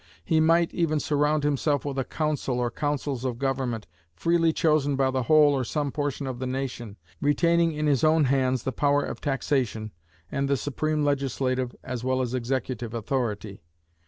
He might even surround himself with a council or councils of government, freely chosen by the whole or some portion of the nation, retaining in his own hands the power of taxation, and the supreme legislative as well as executive authority.